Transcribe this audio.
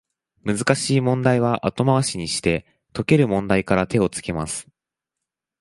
難しい問題は後回しにして、解ける問題から手をつけます